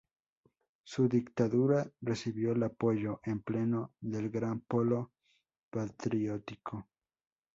Su candidatura recibió el apoyo en pleno del Gran Polo Patriótico.